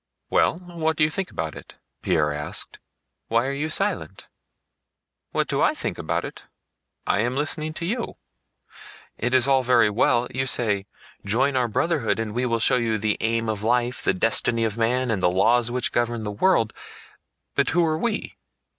"Well, what do you think about it?" Pierre asked. "Why are you silent?" "What do I think about it? I am listening to you. It's all very well.... You say: join our brotherhood and we will show you the aim of life, the destiny of man, and the laws which govern the world. But who are we?